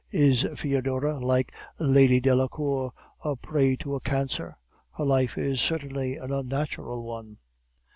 Is Foedora, like Lady Delacour, a prey to a cancer? Her life is certainly an unnatural one.